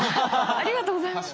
ありがとうございます。